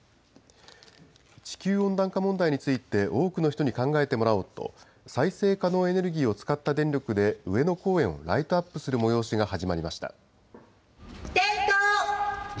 地球温暖化問題について、多くの人に考えてもらおうと、再生可能エネルギーを使った電力で、上野公園をライトアップする催しが始まりました。